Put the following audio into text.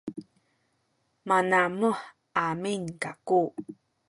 manamuh amin kaku